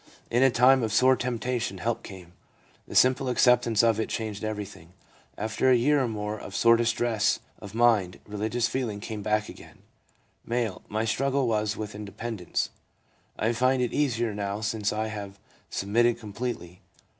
In a time of sore temptation help came. The simple acceptance of it changed every thing. After a year or more of sore distress of mind, religious feeling came back again/ M. ' My struggle was with independence. I find it easier now since I have submitted completely.